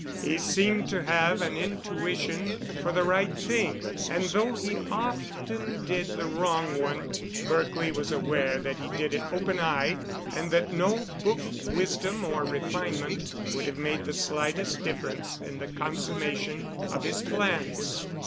He seemed to have an intuition for the right thing, and, though he often did the wrong one, Berkely was aware that he did it open eyed and that no book wisdom or refinement would have made the slightest difference in the consummation of his plans.